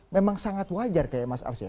memang sangat wajar kayak mas arsya